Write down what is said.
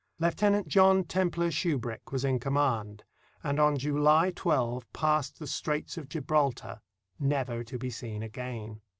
Lieutenant John Templar Shubrick was in command, and on July 12 passed the Straits of Gibraltar, never to be seen again.